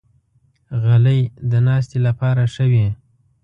غلۍ د ناستې لپاره ښه وي.